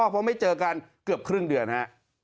เพราะไม่เจอกันเกือบครึ่งเดือนฮะ